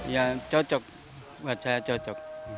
ya cocok buat saya cocok